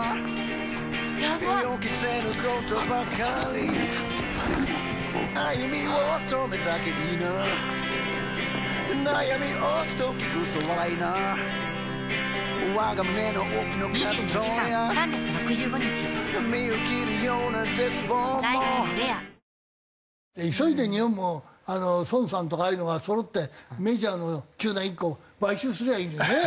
颯颯アサヒの緑茶「颯」急いで日本も孫さんとかああいうのがそろってメジャーの球団１個買収すりゃいいのにね。